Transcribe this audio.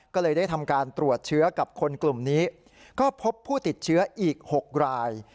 ก็เลยได้ทำการตรวจเชื้อกับคนกลุ่มนี้ก็พบผู้ติดเชื้ออีก๖ราย